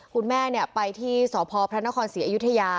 คุณแม่ไปที่สพพระนครศรีอยุธยา